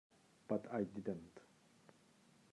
But I didn't.